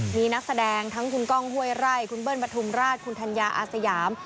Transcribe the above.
มีนักแสดงทั้งคุณก้องห้วยไร่คุณเบิ้ลปฐุมราชคุณธัญญาอาสยาม